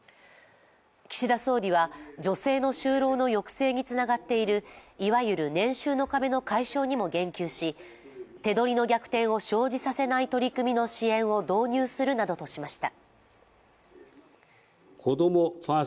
岸田総理は、女性の就労の抑制につながっているいわゆる年収の壁の解消にも言及し手取りの逆転を生じさせない取り組みの支援を導入するなどとしました。